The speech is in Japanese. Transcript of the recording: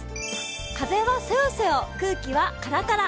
風はそよそよ空気はカラカラ。